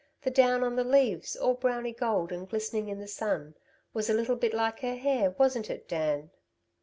The down on the leaves, all browny gold and glistening in the sun, was a little bit like her hair, wasn't it, Dan?"